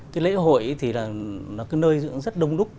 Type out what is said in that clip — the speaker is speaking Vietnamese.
cái lễ hội thì là nó cứ nơi rất đông đúc